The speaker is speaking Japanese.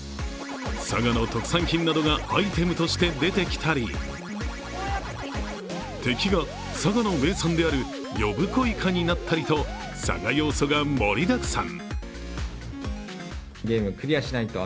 佐賀の特産品などがアイテムとして出てきたり敵が佐賀の名産である呼子イカになったりと佐賀要素が盛りだくさん。